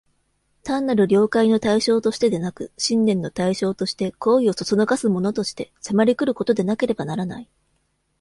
単なる了解の対象としてでなく、信念の対象として、行為を唆すものとして、迫り来ることでなければならない。